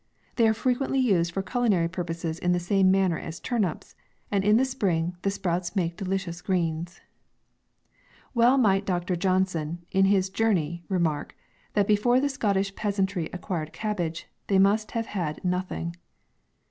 They are frequently used for culinary purposes in the same manner as turnips, and in the spring, the sprouts make delicious green?. Well might Dr. Johnson, in his " Journey. " remark, that before the Scottish peasantry acquired cabbage, they must have had no thing.